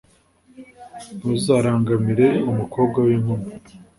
Ntuzarangamire umukobwa w’inkumi,